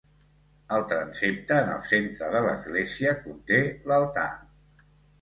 El transsepte en el centre de l'església conté l'altar.